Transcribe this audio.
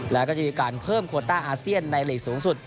แล้วก็จะมีการเพิ่มโคต้าอาเซียนในหลีกสูงสุด